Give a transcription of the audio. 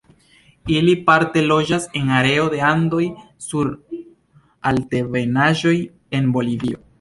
Ili parte loĝas en areo de Andoj sur altebenaĵoj en Bolivio.